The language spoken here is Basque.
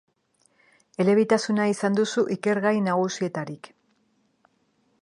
Elebitasuna izan duzu ikergai nagusietarik.